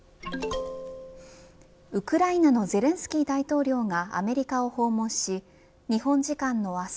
ウクライナのゼレンスキー大統領がアメリカを訪問し日本時間の明日